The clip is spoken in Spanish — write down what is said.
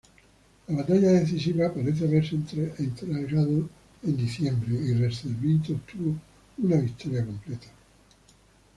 La batalla decisiva parece haberse entregado en diciembre, y Recesvinto obtuvo una victoria completa.